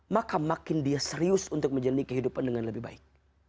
maka makin dia serius untuk menjalani kehidupan dengan lebih baik